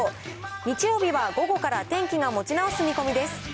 日曜日は午後から天気が持ち直す見込みです。